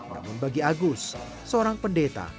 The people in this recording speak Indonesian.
namun bagi agus seorang pendeta